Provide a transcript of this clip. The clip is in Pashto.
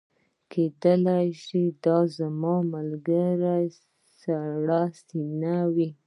کیدای شي دا زما د ملګري سړه سینه وه